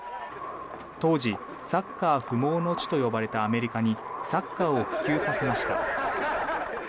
当時サッカー不毛の地と呼ばれたアメリカにサッカーを普及させました。